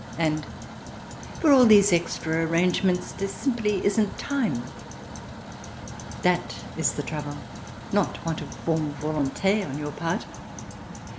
And for all these extra arrangements there simply isn't time, that is the trouble, not want of bonne volonte on your part.